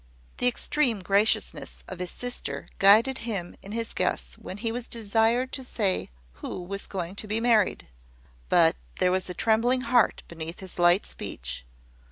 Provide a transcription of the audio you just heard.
The extreme graciousness of his sister guided him in his guess when he was desired to say who was going to be married; but there was a trembling heart beneath his light speech.